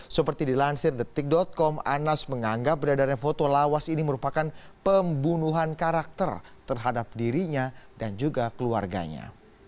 seperti dilansir detik com anas menganggap beredaran foto lawas ini merupakan pembunuhan karakter terhadap dirinya dan juga keluarganya